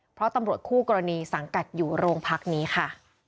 เพราะตำรวจคู่กรณีสังกัดอยู่โรงพักนี้ค่ะ